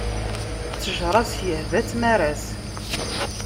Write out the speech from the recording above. Ttejṛa-s ihba-tt maras.